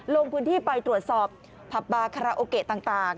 ลงพื้นที่ไปตรวจสอบผับบาคาราโอเกะต่าง